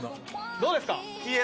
どうですか？